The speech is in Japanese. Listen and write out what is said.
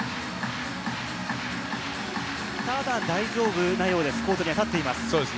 ただ大丈夫なようです、コートには立っています。